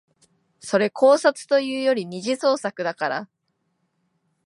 それ考察というより二次創作だから